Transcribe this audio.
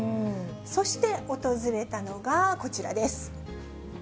そして訪れたのが、こちらです。